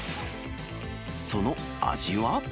その味は。